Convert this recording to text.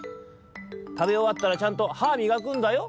「たべおわったらちゃんとはみがくんだよ」。